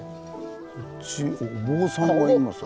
こっちお坊さんがいます。